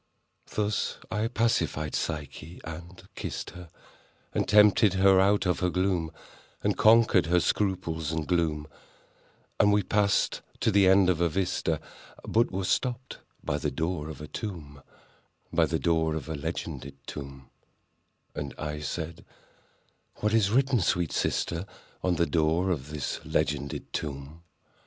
Thus I pacified Psyche and kissed her, And tempted her out of her gloom— And conquered her scruples and gloom; And we passed to the end of the vista— But were stopped by the door of a tomb— By the door of a legended tomb:— And I said—"What is written, sweet sister, On the door of this legended tomb?"